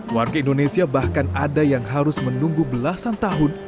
warga indonesia bahkan ada yang harus menunggu belasan tahun